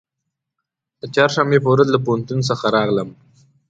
د چهارشنبې په ورځ له پوهنتون څخه راغلم.